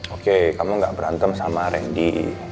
oke kamu gak berantem sama randy